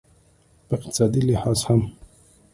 په اقتصادي لحاظ هم